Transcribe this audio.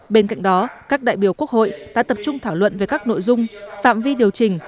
bên cạnh đó các đại biểu quốc hội đã tập trung thảo luận về các nội dung phạm vi điều chỉnh